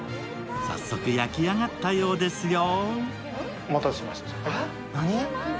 早速、焼き上がったようですよ。